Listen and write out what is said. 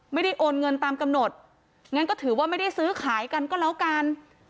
ไม่ได้โอนเงินตามกำหนดงั้นก็ถือว่าไม่ได้ซื้อขายกันก็แล้วกัน